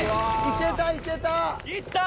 いけたいけた。